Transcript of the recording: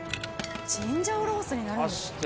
チンジャオロースになるんですね。